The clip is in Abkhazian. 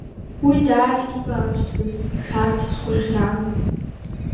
Уи даара ибааԥсыз, ишәарҭаз гәаӷьран.